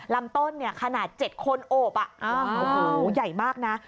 ลำต้นเนี่ยขนาด๗คนโอบโอ้โหใหญ่มากนะ